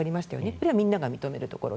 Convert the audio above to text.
これはみんなが認めるところ。